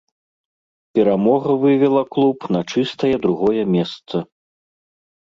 Перамога вывела клуб на чыстае другое месца.